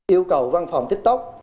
yêu cầu văn phòng tiktok